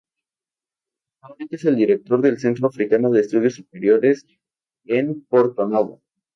Actualmente es el director del Centro Africano de Estudios Superiores en Porto Novo.